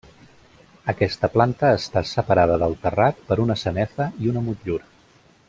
Aquesta planta està separada del terrat per una sanefa i una motllura.